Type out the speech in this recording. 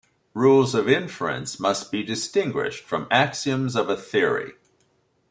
Rules of inference must be distinguished from axioms of a theory.